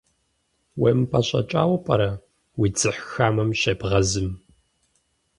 УемыпӀэщӀэкӀауэ пӀэрэ, уи дзыхь хамэм щебгъэзым?